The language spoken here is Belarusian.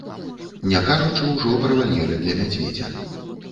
Не кажучы ўжо пра вальеры для мядзведзя.